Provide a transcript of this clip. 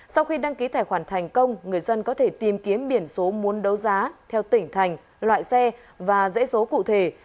sau khi đăng ký tài khoản thành công người dân có thể tìm kiếm biển số muốn đấu giá theo tỉnh thành loại xe và dễ số cụ thể